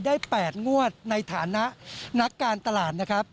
๘งวดในฐานะนักการตลาดนะครับ